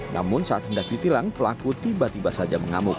namun saat hendak ditilang pelaku tiba tiba saja mengamuk